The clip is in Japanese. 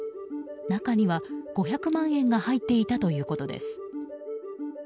中には５００万円が入っていたということです。